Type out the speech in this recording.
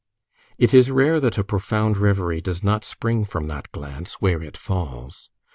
It is rare that a profound reverie does not spring from that glance, where it falls.